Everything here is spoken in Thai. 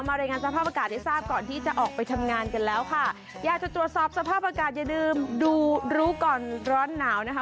รายงานสภาพอากาศให้ทราบก่อนที่จะออกไปทำงานกันแล้วค่ะอยากจะตรวจสอบสภาพอากาศอย่าลืมดูรู้ก่อนร้อนหนาวนะคะ